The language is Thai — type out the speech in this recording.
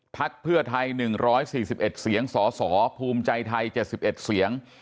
พักเพื่อไทย๑๔๑เสียงสสภูมิใจไทย๗๑เสียง